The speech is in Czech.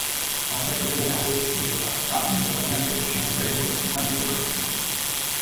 Vláda bude nadále snižovat a omezovat nadbytečnou regulaci a byrokracii.